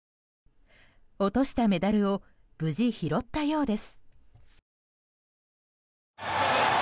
落としたメダルを無事拾ったようです。